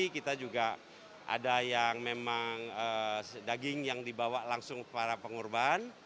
kita juga ada yang memang daging yang dibawa langsung ke para pengurban